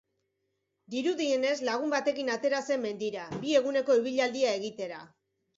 Dirudienez, lagun batekin atera zen mendira, bi eguneko ibilaldia egitera.